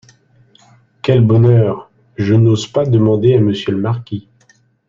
Quel bonheur ! je n'ose pas demander à monsieur le marquis …